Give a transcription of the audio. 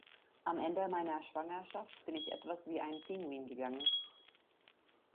Am Ende meiner Schwangerschaft bin ich etwas wie ein Pinguin gegangen.